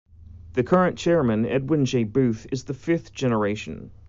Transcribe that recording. The current chairman, Edwin J. Booth, is the fifth generation.